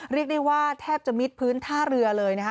เรียกได้ว่าแทบจะมิดพื้นท่าเรือเลยนะคะ